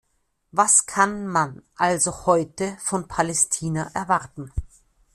Was kann man also heute von Palästina erwarten?